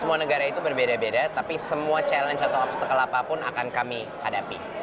semua negara itu berbeda beda tapi semua challenge atau obstacle apapun akan kami hadapi